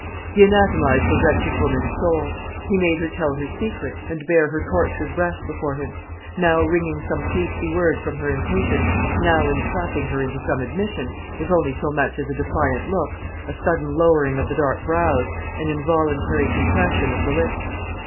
He anatomised the wretched woman's soul. He made her tell her secret, and bare her tortured breast before him; now wringing some hasty word from her impatience, now entrapping her into some admission, if only so much as a defiant look, a sudden lowering of the dark brows, an involuntary compression of the lips.